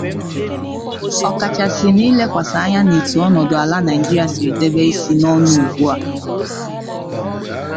ọkachasị n'ilekwasà anya n'etu ọnọdụ ala Nigeria siri debe isi na ọnụ ugbua.